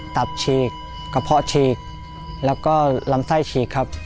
ตับฉีกกระเพาะฉีกแล้วก็ลำไส้ฉีกครับ